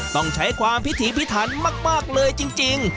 ต้องใช้ความพิถีพิถันมากเลยจริง